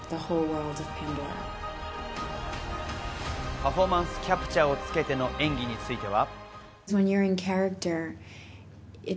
パフォーマンス・キャプチャーをつけての演技については。